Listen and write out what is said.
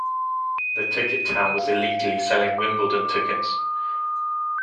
The ticket tout was illegally selling Wimbledon tickets